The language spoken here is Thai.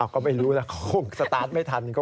ก็ไม่รู้นะสตาร์ทไม่ทัน